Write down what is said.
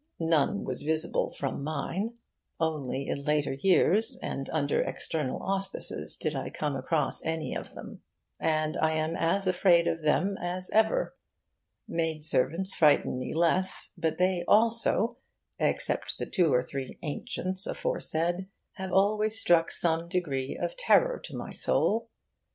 None was visible from mine. Only in later years and under external auspices did I come across any of them. And I am as afraid of them as ever. Maidservants frighten me less, but they also except the two or three ancients aforesaid have always struck some degree of terror to my soul.